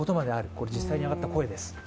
これ実際にあった声です。